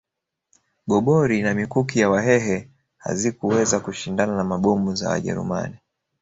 Gobori na mikuki ya Wahehe hazikuweza kushindana na mabomu za Wajerumani